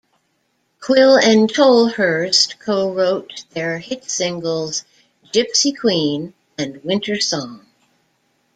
Quill and Tolhurst co-wrote their hit singles "Gypsy Queen" and "Wintersong".